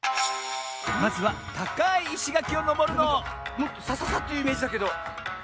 まずはたかいいしがきをのぼるのもっとサササッというイメージだけど。